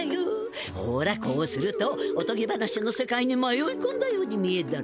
ほらこうするとおとぎ話の世界にまよいこんだように見えるだろ？